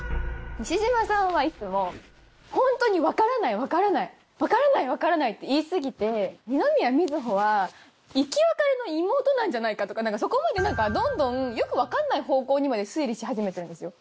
西島さんはいつもホントに分からない分からない分からない分からないって言い過ぎて。とかそこまで何かどんどんよく分かんない方向にまで推理し始めてるんですよ。